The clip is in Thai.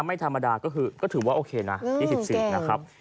ไม่ธรรมดาก็คือก็ถือว่าโอเคนะ๒๔นะครับ